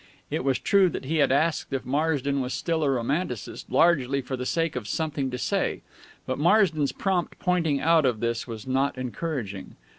It was true that he had asked if Marsden was still a Romanticist largely for the sake of something to say; but Marsden's prompt pointing out of this was not encouraging.